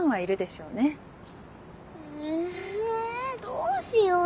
どうしよう？